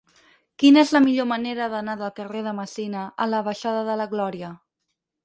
Quina és la millor manera d'anar del carrer de Messina a la baixada de la Glòria?